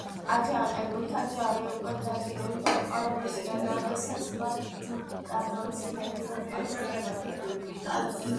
აჯანყებულთა ჯარი უკვე დაძრული იყო რომისკენ, როდესაც მათ დიქტატორის ლეგიონები შეეგებნენ.